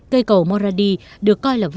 cây cầu morandi được coi là vương quốc